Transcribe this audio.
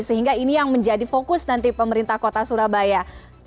sehingga ini yang menjadi fokus nanti pemerintah kota surabaya